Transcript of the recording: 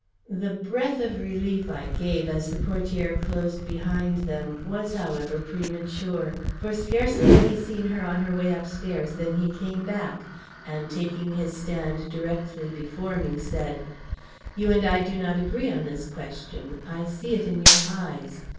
The breath of relief I gave as the portiere closed behind them was, however, premature, for scarcely had he seen her on her way upstairs than he came back, and taking his stand directly before me, said: "You and I do not agree on this question; I see it in your eyes.